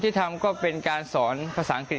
ที่ทำก็เป็นการสอนภาษาอังกฤษ